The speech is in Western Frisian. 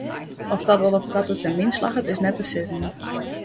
Oft dat al op koarte termyn slagget is net te sizzen.